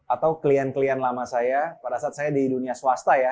atau klien klien lama saya pada saat saya di dunia swasta ya